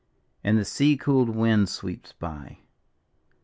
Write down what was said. And the sea cooled wind sweeps by.